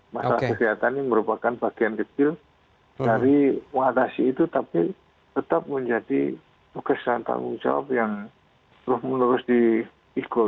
masalah kesehatan ini merupakan bagian kecil dari mengatasi itu tapi tetap menjadi tugas dan tanggung jawab yang terus menerus diikut